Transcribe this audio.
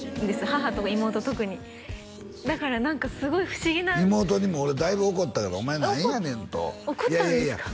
母と妹特にだから何かすごい不思議な妹に俺だいぶ怒ったけど「お前何やねん！」と怒ったんですか？